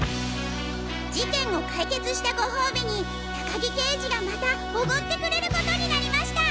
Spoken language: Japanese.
事件を解決したごほうびに高木刑事がまたおごってくれることになりました」。